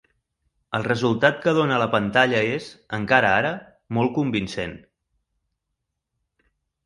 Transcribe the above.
El resultat que dóna a la pantalla és, encara ara, molt convincent.